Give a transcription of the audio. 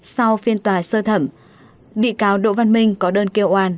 sau phiên tòa sơ thẩm bị cáo đỗ văn minh có đơn kêu an